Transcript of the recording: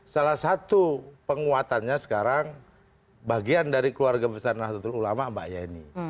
salah satu penguatannya sekarang bagian dari keluarga besar nahdlatul ulama mbak yeni